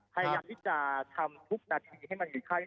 พยายามที่จะทำทุกนาทีให้มันมีไข้